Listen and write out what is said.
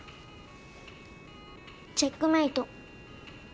チェックメイト。